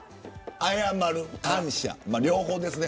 謝る、感謝、両方ですね。